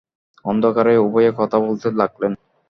অন্ধকারেই উভয়ে কথা বলতে লাগলেন।